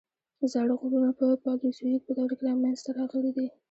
زاړه غرونه په پالیوزویک په دوره کې منځته راغلي دي.